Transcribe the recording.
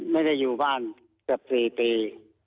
ไม่ได้อยู่บ้านเรียนจับสี่ปี